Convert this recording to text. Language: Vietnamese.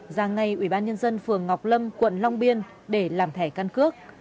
ra ngay ủy ban nhân dân phường ngọc lâm quận long biên để làm thẻ căn cước